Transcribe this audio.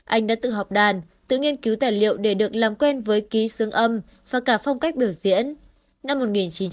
anh đã tự học đàn tự nghiên cứu tài liệu để được làm quen với ký sướng âm và cả phong cách biểu diễn